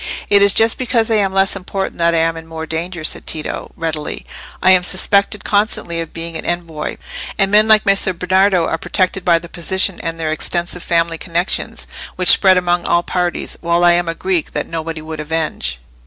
"It is just because I am less important that I am in more danger," said Tito, readily. "I am suspected constantly of being an envoy. And men like Messer Bernardo are protected by their position and their extensive family connections, which spread among all parties, while I am a Greek that nobody would avenge."